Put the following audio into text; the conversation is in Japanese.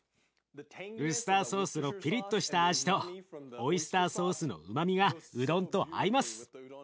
ウスターソースのピリッとした味とオイスターソースのうまみがうどんと合います。